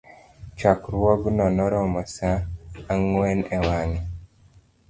Chokruogno norumo sa ang'wen e wange